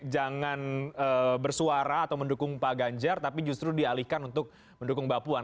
jangan bersuara atau mendukung pak ganjar tapi justru dialihkan untuk mendukung mbak puan